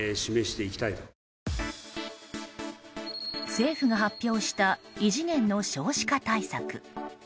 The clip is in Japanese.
政府が発表した異次元の少子化対策。